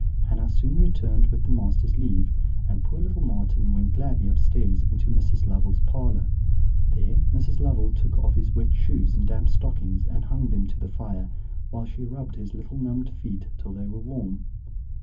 "Hannah soon returned with the master's leave, and poor little Marten went gladly upstairs into Mrs. Lovel's parlour. There Mrs. Lovel took off his wet shoes and damp stockings, and hung them to the fire, while she rubbed his little numbed feet till they were warm.